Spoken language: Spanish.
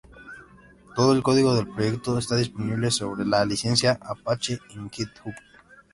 Todo el código del proyecto está disponible sobre la licencia Apache en GitHub.